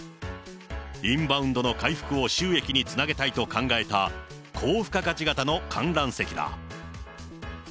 インバウンドの回復を収益につなげたいと考えた高付加価値型の観覧席だ。